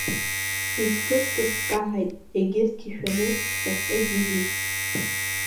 Изқәыскыз дкаҳаит, егьырҭгьы шәаны шьҭахьҟа игьежьит.